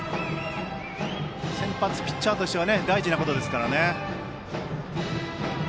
先発ピッチャーとしては大事なことですからね。